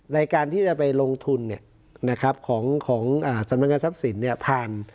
ในการที่จะไปลงทุนเนี่ยนะครับของสรรพันธุ์เงินทรัพย์สินเนี่ยผ่าน